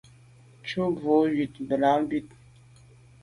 Tshu bo ywit là bit.